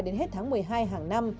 đến hết tháng một mươi hai hàng năm